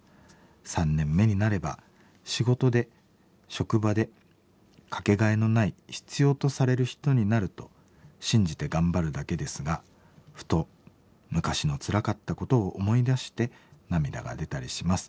３年目になれば仕事で職場でかけがえのない必要とされる人になると信じて頑張るだけですがふと昔のつらかったことを思い出して涙が出たりします。